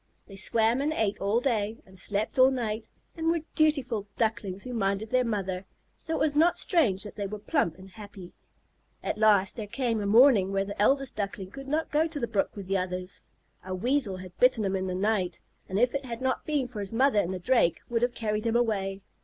They swam and ate all day, and slept all night, and were dutiful Ducklings who minded their mother, so it was not strange that they were plump and happy. At last there came a morning when the eldest Duckling could not go to the brook with the others. A Weasel had bitten him in the night, and if it had not been for his mother and the Drake, would have carried him away.